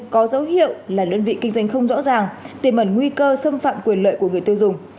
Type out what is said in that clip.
có dấu hiệu là đơn vị kinh doanh không rõ ràng tiềm ẩn nguy cơ xâm phạm quyền lợi của người tiêu dùng